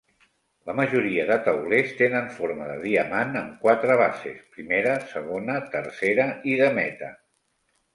La majoria de taulers tenen forma de diamant amb quatre bases: primera, segona, tercera i de meta.